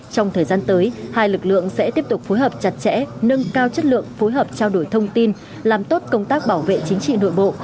trong thời gian tới hai lực lượng sẽ tiếp tục phối hợp chặt chẽ nâng cao chất lượng phối hợp trao đổi thông tin làm tốt công tác bảo vệ chính trị nội bộ